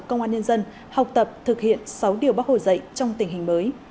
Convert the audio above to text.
công an nhân dân học tập thực hiện sáu điều bác hồ dạy trong tình hình mới